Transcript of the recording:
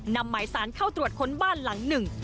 นำหมายสารเข้าตรวจค้นบ้านหลังหนึ่ง